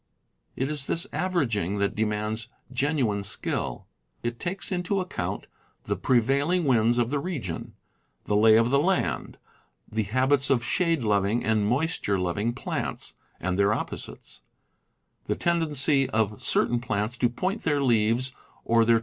It is this averaging that demands genuine skill. It takes into account the prevailing winds of the region, the lay of the land, the habits of shade loving and moisture loving plants (and their opposites), the ten dency of certain plants to point their leaves or their BLAZES, SURVEY LINES, ETC.